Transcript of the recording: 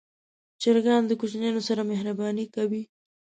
چرګان د کوچنیانو سره مهرباني کوي.